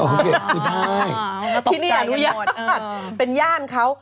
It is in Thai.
โอเคคือได้ตกใจกันหมดที่เนี่ยหนุญาตเป็นย่านเขา